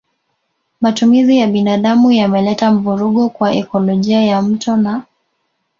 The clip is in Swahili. Matumizi ya binadamu yameleta mvurugo kwa ekolojia ya mto na